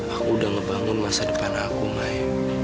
aku udah ngebangun masa depan aku main